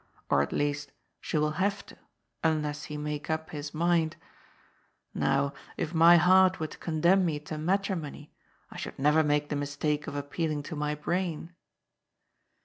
Or, at least, she will haye to, unless he make up his mind. Now, if my heart were to condemn me to matrimony, I should neyer make the mistake of appeal ing to my brain."